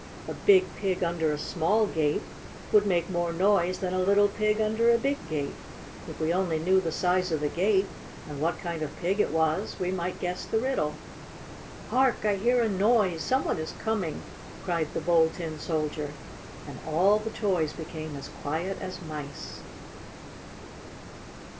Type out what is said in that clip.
"A big pig under a small gate would make more noise than a little pig under a big gate. If we only knew the size of the gate and what kind of pig it was, we might guess the riddle." "Hark! I hear a noise! Some one is coming!" cried the Bold Tin Soldier, and all the toys became as quiet as mice.